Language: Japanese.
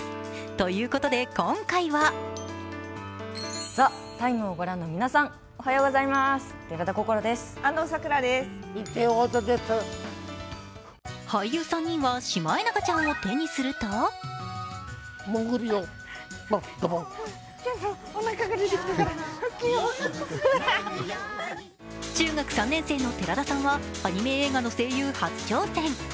ということで今回は俳優３人はシマエナガちゃんを手にすると中学３年生の寺田さんはアニメ声優初挑戦。